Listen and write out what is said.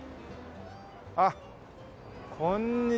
あっこんにちは。